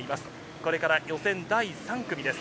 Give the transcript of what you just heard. これから予選第３組です。